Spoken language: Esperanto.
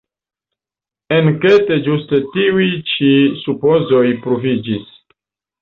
Enkete ĝuste tiuj ĉi supozoj pruviĝis.